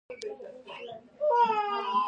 امیر شېر علي خان تر مرګه موافقه ورسره ونه کړه.